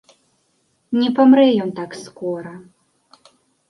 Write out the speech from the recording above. Не памрэ ён так скора.